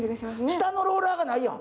下のローラーがないやん！